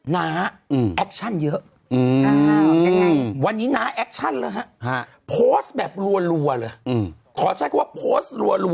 นะอักชั่นเยอะอาหารวันนี้จะอักชั่นฮะฮะโพสแบบลัวเงินพอแชร์ว่าโพส